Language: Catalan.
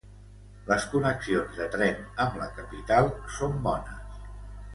Les connexions de tren amb la capital són bones.